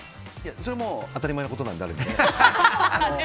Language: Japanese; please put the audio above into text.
それはもう当たり前のことなので。